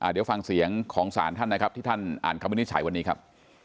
เดี๋ยวฟังเสียงของสารท่านนะครับที่ท่านอ่านคำวินิจฉัยวันนี้ครับ